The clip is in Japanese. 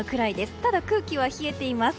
ただ空気は冷えています。